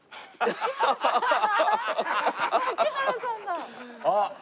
槙原さんだ！